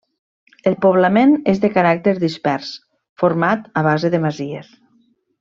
El poblament és de caràcter dispers, format a base de masies.